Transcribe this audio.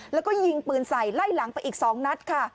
แล้วก็ยิงปืนใส่ไล่หลังไปอีก๒นัดค่ะ